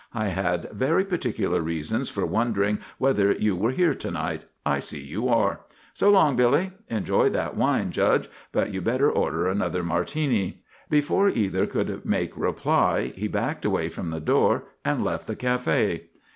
I had very particular reasons for wondering whether you were here to night. I see you are. So long, Billy. Enjoy that wine, Judge. But you better order another Martini." Before either could make reply he backed away from the door and left the café.